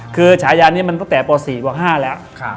คือฉายานี้มันตั้งแต่ป๔ป๕แล้ว